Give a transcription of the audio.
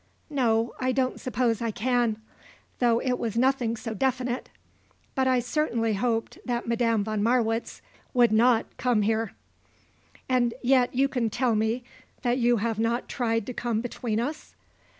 "No; I don't suppose I can, though it was nothing so definite. But I certainly hoped that Madame von Marwitz would not come here." "And yet you can tell me that you have not tried to come between us."